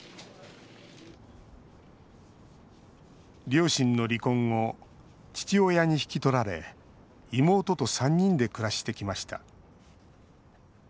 両親の離婚後父親に引き取られ妹と３人で暮らしてきました。